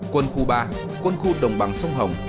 quân khu ba quân khu đồng bằng sông hồng